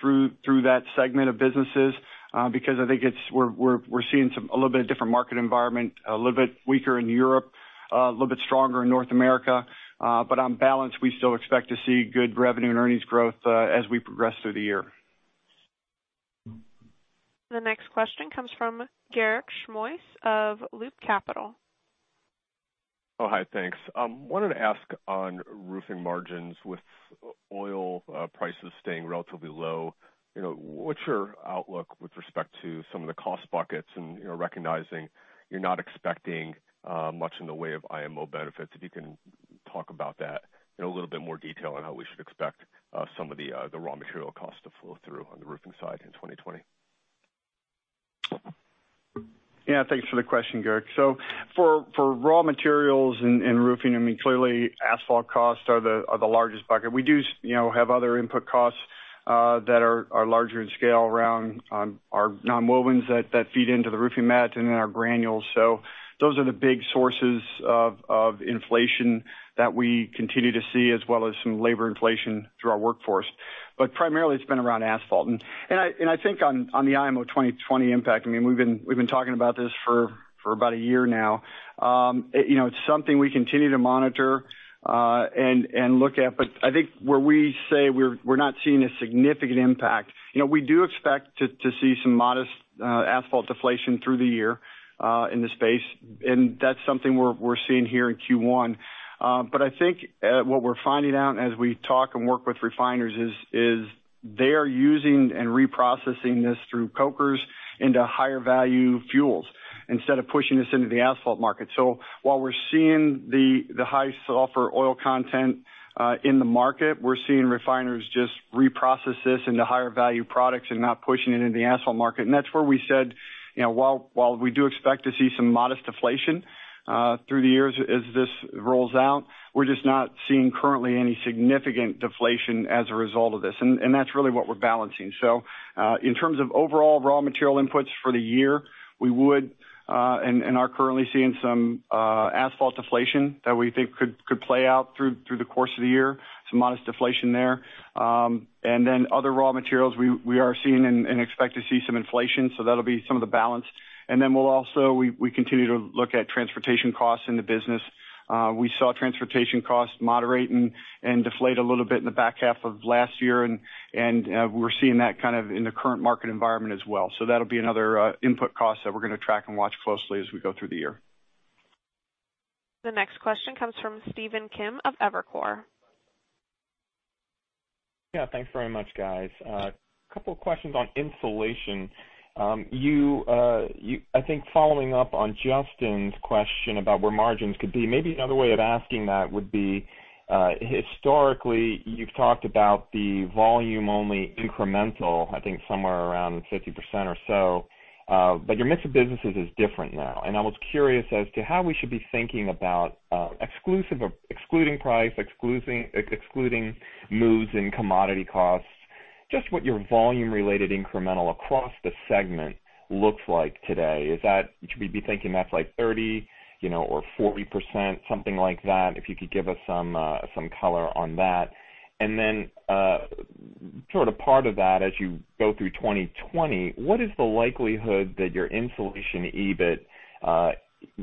through that segment of businesses because I think we're seeing a little bit of different market environment, a little bit weaker in Europe, a little bit stronger in North America. But on balance, we still expect to see good revenue and earnings growth as we progress through the year. The next question comes from Garik Shmois of Loop Capital. Oh, hi, thanks. I wanted to ask on roofing margins with oil prices staying relatively low. What's your outlook with respect to some of the cost buckets and recognizing you're not expecting much in the way of IMO benefits? If you can talk about that in a little bit more detail and how we should expect some of the raw material costs to flow through on the roofing side in 2020. Yeah, thanks for the question, Garik. So for raw materials and roofing, I mean, clearly, asphalt costs are the largest bucket. We do have other input costs that are larger in scale around our nonwovens that feed into the roofing mat and then our granules. So those are the big sources of inflation that we continue to see as well as some labor inflation through our workforce. But primarily, it's been around asphalt. And I think on the IMO 2020 impact, I mean, we've been talking about this for about a year now. It's something we continue to monitor and look at. But I think where we say we're not seeing a significant impact, we do expect to see some modest asphalt deflation through the year in the space. And that's something we're seeing here in Q1. I think what we're finding out as we talk and work with refiners is they are using and reprocessing this through cokers into higher value fuels instead of pushing this into the asphalt market. So while we're seeing the high sulfur oil content in the market, we're seeing refiners just reprocess this into higher value products and not pushing it into the asphalt market. And that's where we said, while we do expect to see some modest deflation through the years as this rolls out, we're just not seeing currently any significant deflation as a result of this. And that's really what we're balancing. So in terms of overall raw material inputs for the year, we would and are currently seeing some asphalt deflation that we think could play out through the course of the year, some modest deflation there. And then other raw materials, we are seeing and expect to see some inflation. So that'll be some of the balance. And then we'll also continue to look at transportation costs in the business. We saw transportation costs moderate and deflate a little bit in the back half of last year, and we're seeing that kind of in the current market environment as well. So that'll be another input cost that we're going to track and watch closely as we go through the year. The next question comes from Stephen Kim of Evercore. Yeah, thanks very much, guys. A couple of questions on insulation. I think following up on Justin's question about where margins could be, maybe another way of asking that would be historically, you've talked about the volume-only incremental, I think somewhere around 50% or so. But your mix of businesses is different now. And I was curious as to how we should be thinking about excluding price, excluding moves in commodity costs, just what your volume-related incremental across the segment looks like today? Should we be thinking that's like 30% or 40%, something like that, if you could give us some color on that? And then sort of part of that, as you go through 2020, what is the likelihood that your insulation EBIT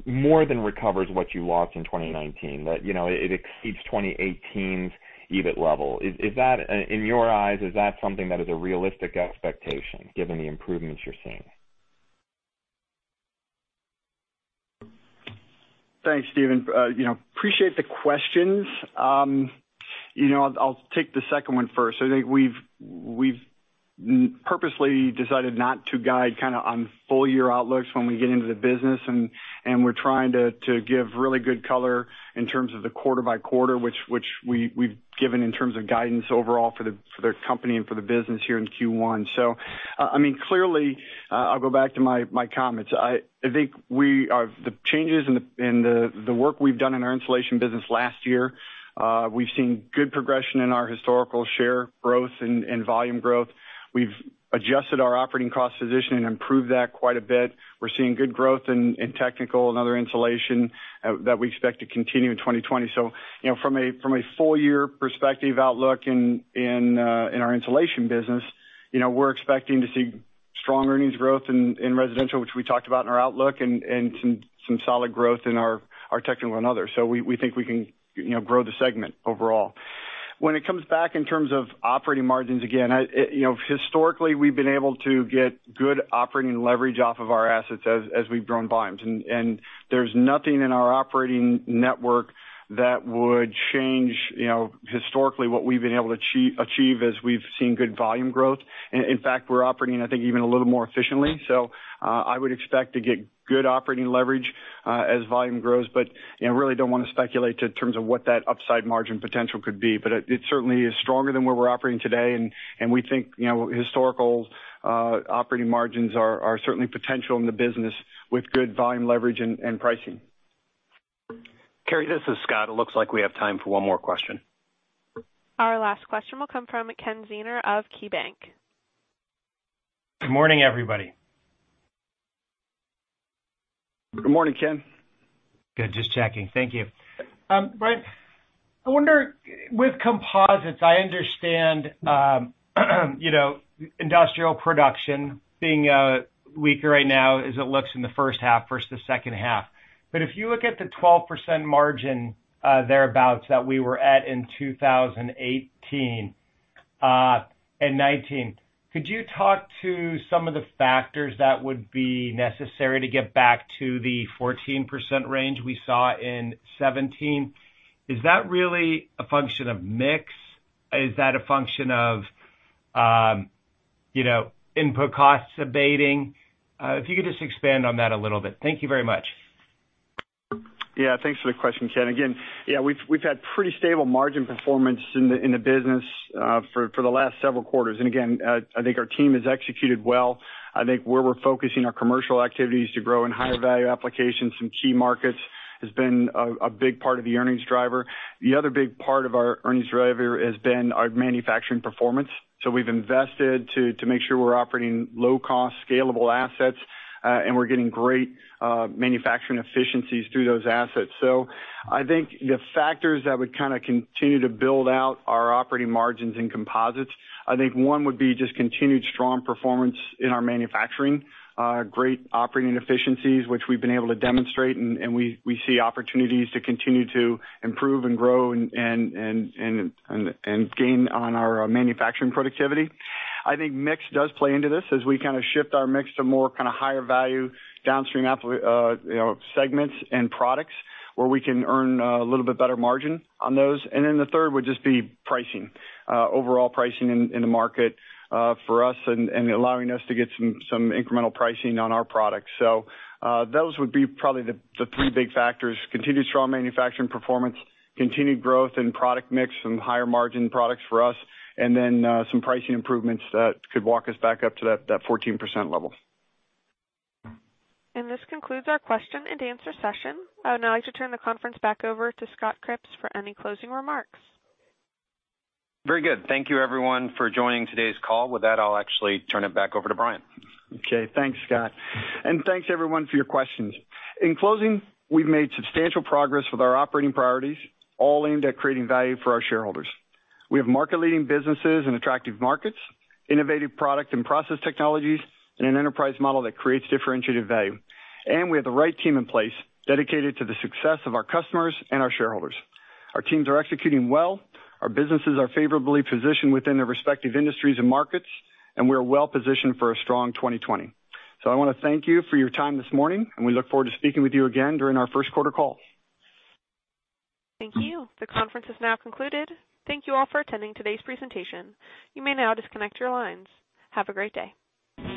more than recovers what you lost in 2019, that it exceeds 2018's EBIT level? In your eyes, is that something that is a realistic expectation given the improvements you're seeing? Thanks, Stephen. Appreciate the questions. I'll take the second one first. I think we've purposely decided not to guide kind of on full year outlooks when we get into the business, and we're trying to give really good color in terms of the quarter-by-quarter, which we've given in terms of guidance overall for the company and for the business here in Q1, so I mean, clearly, I'll go back to my comments. I think the changes and the work we've done in our insulation business last year. We've seen good progression in our historical share growth and volume growth. We've adjusted our operating cost position and improved that quite a bit. We're seeing good growth in technical and other insulation that we expect to continue in 2020. So from a full year perspective outlook in our insulation business, we're expecting to see strong earnings growth in residential, which we talked about in our outlook, and some solid growth in our technical and others. So we think we can grow the segment overall. When it comes back in terms of operating margins, again, historically, we've been able to get good operating leverage off of our assets as we've grown volumes. And there's nothing in our operating network that would change historically what we've been able to achieve as we've seen good volume growth. In fact, we're operating, I think, even a little more efficiently. So I would expect to get good operating leverage as volume grows, but I really don't want to speculate in terms of what that upside margin potential could be. But it certainly is stronger than where we're operating today, and we think historical operating margins are certainly potential in the business with good volume leverage and pricing. this is Scott. It looks like we have time for one more question. Our last question will come from Ken Zener of KeyBanc. Good morning, everybody. Good morning, Ken. Good. Just checking. Thank you. Right. I wonder with composites, I understand industrial production being weaker right now as it looks in the first half versus the second half. But if you look at the 12% margin thereabouts that we were at in 2018 and 2019, could you talk to some of the factors that would be necessary to get back to the 14% range we saw in 2017? Is that really a function of mix? Is that a function of input costs abating? If you could just expand on that a little bit. Thank you very much. Yeah, thanks for the question, Ken. Again, yeah, we've had pretty stable margin performance in the business for the last several quarters. And again, I think our team has executed well. I think where we're focusing our commercial activities to grow in higher value applications, some key markets has been a big part of the earnings driver. The other big part of our earnings driver has been our manufacturing performance. So we've invested to make sure we're operating low-cost, scalable assets, and we're getting great manufacturing efficiencies through those assets. I think the factors that would kind of continue to build out our operating margins in composites. I think one would be just continued strong performance in our manufacturing, great operating efficiencies, which we've been able to demonstrate, and we see opportunities to continue to improve and grow and gain on our manufacturing productivity. I think mix does play into this as we kind of shift our mix to more kind of higher value downstream segments and products where we can earn a little bit better margin on those. The third would just be pricing, overall pricing in the market for us and allowing us to get some incremental pricing on our products. So those would be probably the three big factors: continued strong manufacturing performance, continued growth in product mix, some higher margin products for us, and then some pricing improvements that could walk us back up to that 14% level. And this concludes our question and answer session. I'd now like to turn the conference back over to Scott Cripps for any closing remarks. Very good. Thank you, everyone, for joining today's call. With that, I'll actually turn it back over to Brian. Okay. Thanks, Scott. And thanks, everyone, for your questions. In closing, we've made substantial progress with our operating priorities, all aimed at creating value for our shareholders. We have market-leading businesses in attractive markets, innovative product and process technologies, and an enterprise model that creates differentiative value. And we have the right team in place dedicated to the success of our customers and our shareholders. Our teams are executing well. Our businesses are favorably positioned within their respective industries and markets, and we are well positioned for a strong 2020. I want to thank you for your time this morning, and we look forward to speaking with you again during our first quarter call. Thank you. The conference is now concluded. Thank you all for attending today's presentation. You may now disconnect your lines. Have a great day.